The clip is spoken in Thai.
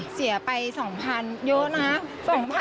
เสียไป๒๐๐๐เยอะนะ